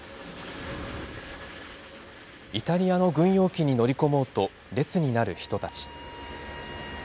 イタリアの軍用機に乗り込もうと、列になる人たち。